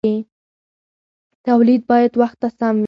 تولید باید وخت ته سم وي.